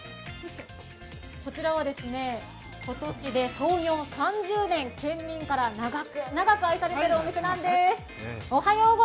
こちらは今年で創業３０年、県民から長く長く愛されているお店なんです。